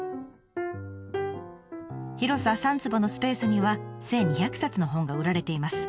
広さ３坪のスペースには１，２００冊の本が売られています。